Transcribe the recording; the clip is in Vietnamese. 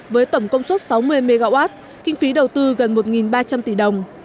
với tổng công suất sáu mươi mw kinh phí đầu tư gần một ba trăm linh tỷ đồng